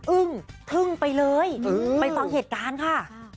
อึ้งทึ่งไปเลยไปฟังเหตุการณ์ค่ะ